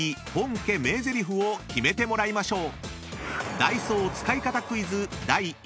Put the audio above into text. ［ダイソー使い方クイズ］